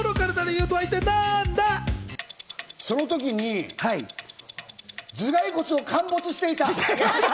その時に頭蓋骨を陥没していた。